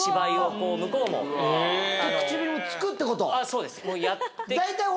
そうです。